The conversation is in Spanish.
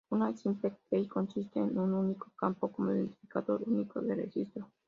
Una "simple key" consiste en un único campo como identificador único del registro.